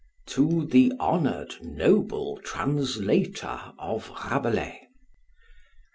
To the Honoured, Noble Translator of Rabelais.